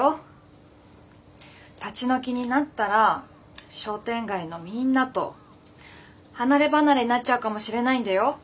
立ち退きになったら商店街のみんなと離れ離れになっちゃうかもしれないんだよ。